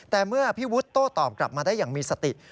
แต่เมื่อพี่วุฒิโต้ตอบกลับมาได้อย่างมีสติ